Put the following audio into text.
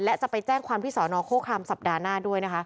และจะไปแจ้งความที่สอนอโฆครามสัปดาห์หน้าด้วยนะคะ